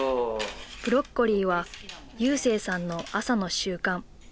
ブロッコリーは勇成さんの朝の習慣。